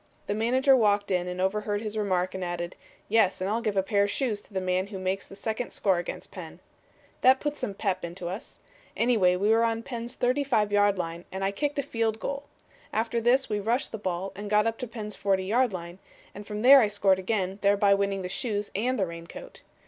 The manager walked in and overheard his remark and added, 'Yes, and I'll give a pair of shoes to the man who makes the second score against Penn.' That put some 'pep' into us. Anyway, we were on Penn's 35 yard line and I kicked a field goal. After this we rushed the ball and got up to Penn's 40 yard line, and from there I scored again, thereby winning the shoes and the raincoat.